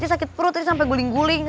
dia sakit perut dia sampe guling guling